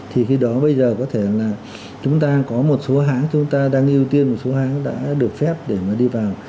thì khi đó bây giờ có thể là chúng ta có một số hãng chúng ta đang ưu tiên một số hãng đã được phép để mà đi vào